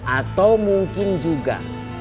atau mungkin juga